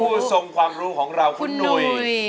ผู้ทรงความรู้ของเราคุณหนุ่ย